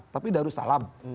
tapi darul salam